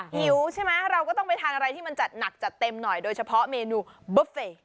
หิวใช่ไหมเราก็ต้องไปทานอะไรที่มันจัดหนักจัดเต็มหน่อยโดยเฉพาะเมนูบุฟเฟ่